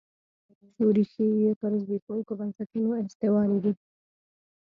خو ریښې یې پر زبېښونکو بنسټونو استوارې دي.